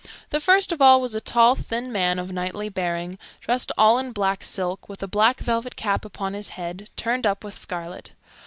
The first of all was a tall, thin man, of knightly bearing, dressed all in black silk, with a black velvet cap upon his head, turned up with scarlet.